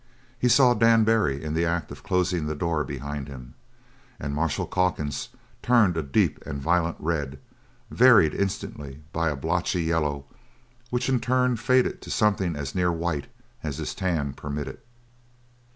He saw Dan Barry in the act of closing the door behind him, and Marshal Calkins turned a deep and violent red, varied instantly by a blotchy yellow which in turn faded to something as near white as his tan permitted.